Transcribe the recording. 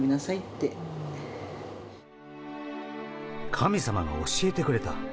神様が教えてくれた。